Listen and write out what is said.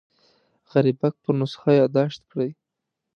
غریبک پر نسخه یاداښت کړی.